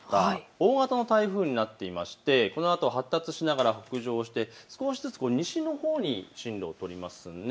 大型の台風になっていましてこのあと発達しながら北上して少しずつ西のほうに進路を取ります。